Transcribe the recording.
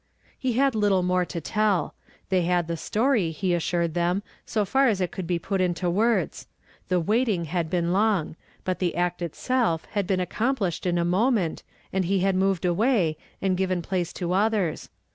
He had little more to tell. They had the story, he assured them, so far as it could be put into words. The waiting had been long ; but the act itself had been accomplished in a moment, and he had moved away, and given place to others.